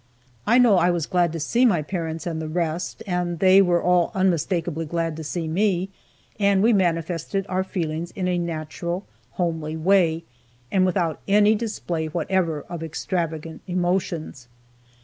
I know that I was glad to see my parents, and the rest, and they were all unmistakably glad to see me, and we manifested our feelings in a natural, homely way, and without any display whatever of extravagant emotions.